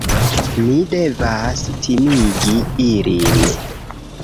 Ni devas timigi ilin